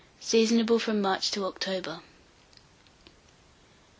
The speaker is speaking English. Seasonable from March to October.